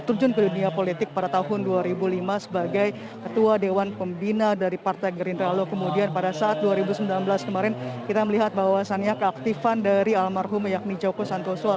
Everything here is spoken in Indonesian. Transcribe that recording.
terjun ke dunia politik pada tahun dua ribu lima sebagai ketua dewan pembina dari partai gerindra lalu kemudian pada saat dua ribu sembilan belas kemarin kita melihat bahwasannya keaktifan dari almarhum yakni joko santoso